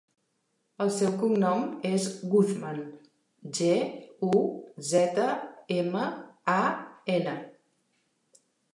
El seu cognom és Guzman: ge, u, zeta, ema, a, ena.